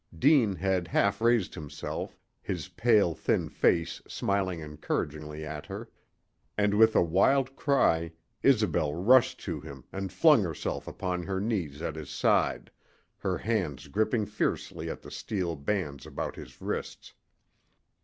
Deane had half raised himself, his pale, thin face smiling encouragingly at her; and with a wild cry Isobel rushed to him and flung herself upon her knees at his side, her hands gripping fiercely at the steel bands about his wrists.